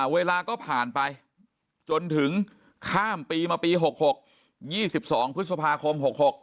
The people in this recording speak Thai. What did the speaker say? เวลาก็ผ่านไปจนถึงข้ามปีมาปี๖๖๒๒พฤษภาคม๖๖